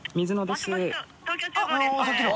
さっきの！